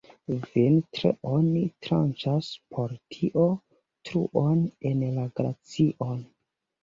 Vintre oni tranĉas por tio truon en la glacion.